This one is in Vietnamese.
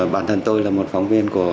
bản thân tôi là một phóng viên của